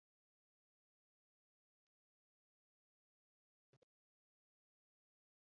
دا زاويه درېيمه زاويه ده